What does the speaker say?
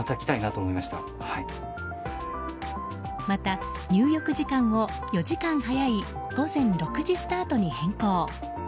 また入浴時間を４時間早い午前６時スタートに変更。